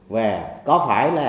và có phải là